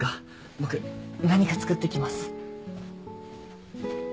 僕何か作ってきます。